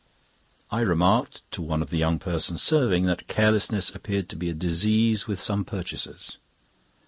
I remarked to one of the young persons serving, that carelessness appeared to be a disease with some purchasers.